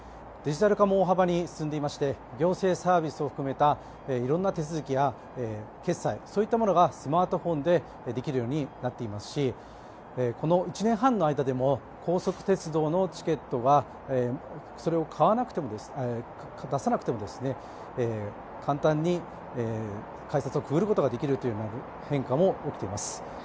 デジタル化も大幅に進んでいまして、行政サービスを含めたいろんな手続きや決済、そういったものがスマートフォンでできるようになっていますし、この１年半の間でも、高速鉄道のチケットがそれを出さなくても簡単に改札をくぐることができるという変化も起きています。